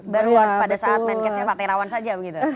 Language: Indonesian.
baru pada saat menkesnya pak terawan saja begitu